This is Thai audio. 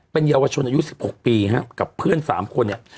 เป็นเยาวชนอายุสิบหกปีฮะกับเพื่อนสามคนเนี้ย